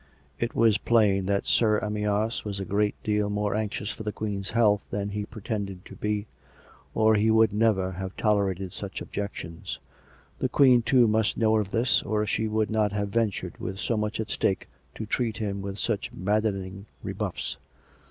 It was plain that Sir Amyas was a great deal more anxious for the Queen's health than he pretended to be, or he would never have tolerated such objections. The Queen, too, must know of this, or she would not have ventured, with so much at stake, to treat him with such maddening re buffs.